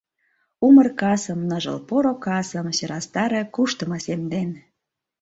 Умыр касым, ныжыл поро касым Сӧрастаре куштымо сем ден.